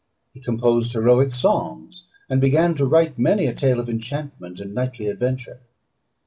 He composed heroic songs, and began to write many a tale of enchantment and knightly adventure.